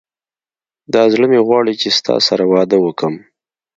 دا زړه مي غواړي چي ستا سره واده وکم